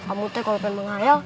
kamu teh kalau pengen berkhayal